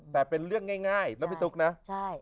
แต่เป็นเรื่องง่ายนะพี่ตุ๊กนะใช่